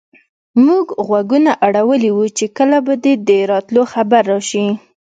موږ غوږونه اړولي وو چې کله به دې د راتلو خبر راشي.